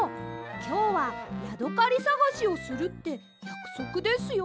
きょうはヤドカリさがしをするってやくそくですよ。